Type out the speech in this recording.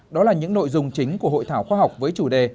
đó là những nội dung chính của hội thảo khoa học với chủ đề